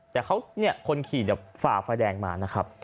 แต่เขาเนี่ยคนขี่เนี่ยฝ่าฝ่ายแดงมานะครับ